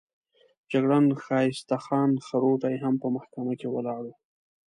جګړن ښایسته خان خروټی هم په محکمه کې ولاړ وو.